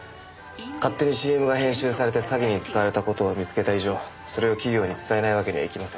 勝手にＣＭが編集されて詐欺に使われた事を見つけた以上それを企業に伝えないわけにはいきません。